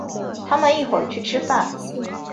他们一会儿去吃饭。